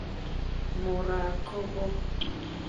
Môr a kobe.